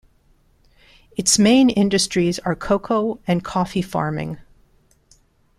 Its main industries are cocoa- and coffee-farming.